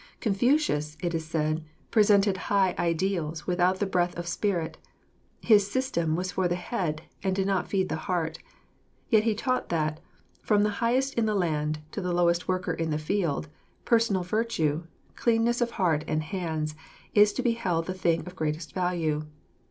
Confucius, it is said, presented high ideals without the breath of spirit; his system was for the head and did not feed the heart; yet he taught that, from the highest in the land to the lowest worker in the field, personal virtue, cleanness of heart and hands, is to be held the thing of greatest value.